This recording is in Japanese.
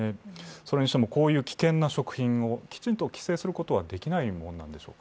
それにしてもこういう危険な食品をきちんと規制することはできないものなんでしょうか？